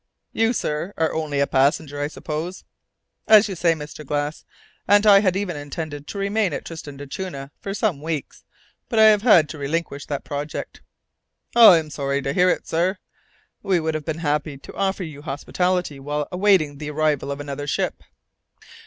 "You, sir, are only a passenger, I suppose?" "As you say, Mr. Glass, and I had even intended to remain at Tristan d'Acunha for some weeks. But I have had to relinquish that project." "I am sorry to hear it, sir. We should have been happy to offer you hospitality while awaiting the arrival of another ship."